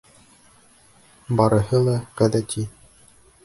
Барыһы ла ғәҙәти.